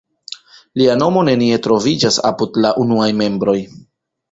Lia nomo nenie troviĝas apud la unuaj membroj.